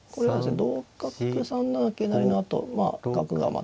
同角３七桂成のあとまあ角がまた。